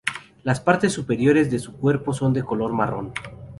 Las partes superiores de su cuerpo son de color marrón.